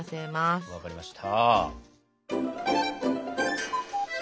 わかりました！